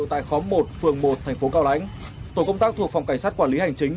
tại khóm một phường một tp cao lãnh tổ công tác thuộc phòng cảnh sát quản lý hành chính